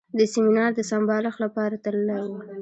د سیمینار د سمبالښت لپاره تللی و.